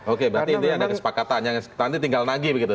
oke berarti ini ada kesepakatan yang nanti tinggal nagi begitu